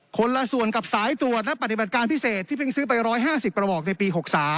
คนละส่วนกับสายตรวจและปฏิบัติการพิเศษที่เพิ่งซื้อไป๑๕๐กระบอกในปี๖๓